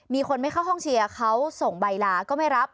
มีคนไม่เข้าห้องเชียร์เขาส่งใบลาก็ไม่รับ